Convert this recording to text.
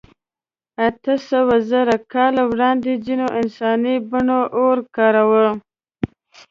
اتهسوهزره کاله وړاندې ځینو انساني بڼو اور کاراوه.